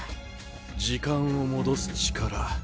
時間を戻す力